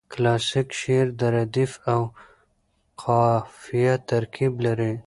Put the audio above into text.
کلاسیک شعر د ردیف او قافیه ترکیب لري.